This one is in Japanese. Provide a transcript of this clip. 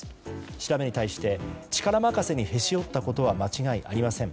調べに対して力任せにへし折ったことは間違いありません。